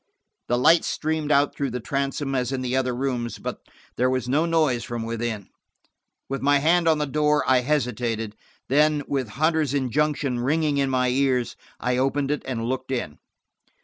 The light streamed out through the transom as in the other rooms, but there was no noise from within. With my hand on the door, I hesitated–then, with Hunter's injunction ringing in my ears, I opened it and looked in.